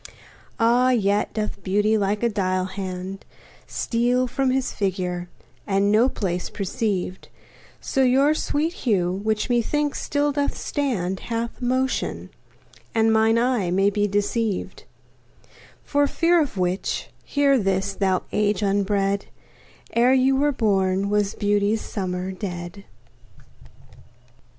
Ah! yet doth beauty, like a dial hand, Steal from his figure, and no pace perceived; So your sweet hue, which methinks still doth stand, Hath motion, and mine eye may be deceived: For fear of which, hear this, thou age unbred: Ere you were born was beauty's summer dead.